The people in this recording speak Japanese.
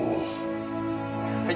はい。